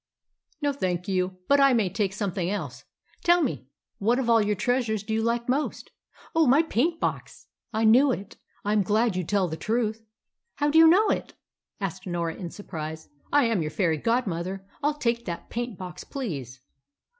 "No, thank you. But I may take something else. Tell me, what of all your treasures do you like most?" "Oh, my paint box!" "I knew it; I am glad you tell the truth." "How did you know it?" asked Norah in surprise. "I am your fairy godmother. I'll take that paint box, please."